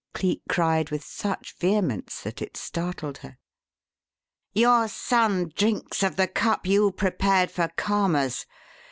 Cleek cried with such vehemence that it startled her. "Your son drinks of the cup you prepared for Karma's.